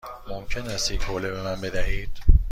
ممکن است یک حوله به من بدهید؟